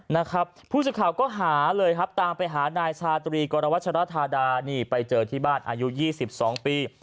นะครับผู้สื่อข่าวก็หาเลยครับตามไปหานายชาตรีกรวัชรธาดานี่ไปเจอที่บ้านอายุ๒๒ปี